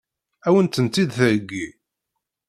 Ad wen-tent-id-theggi?